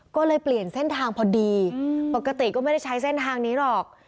ก็เลยเปลี่ยนเส้นทางพอดีปกติก็ไม่ได้ใช้เส้นทางนี้หรอก